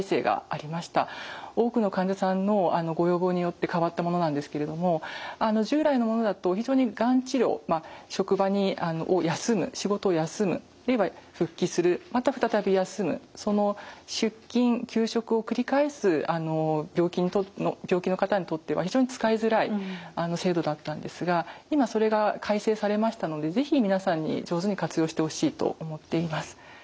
多くの患者さんのご要望によって変わったものなんですけれども従来のものだと非常にがん治療職場を休む仕事を休む復帰するまた再び休むその出勤・休職を繰り返す病気の方にとっては非常に使いづらい制度だったんですが今それが改正されましたので是非皆さんに上手に活用してほしいと思っています。